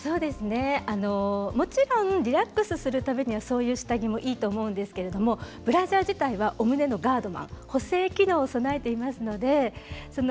もちろんリラックスするためには、そういう下着もいいと思うんですがブラジャー自体はお胸のガードマンで補整機能を備えています。